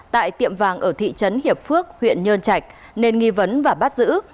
tại tiệm vàng ở thị trấn hiệp phước huyện nhơn trạch nên nghi vấn và bắt giữ